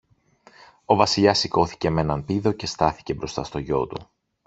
Ο Βασιλιάς σηκώθηκε μ' έναν πήδο και στάθηκε μπροστά στο γιο του